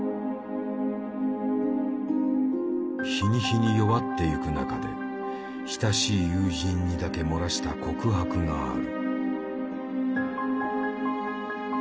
日に日に弱っていく中で親しい友人にだけ漏らした告白がある。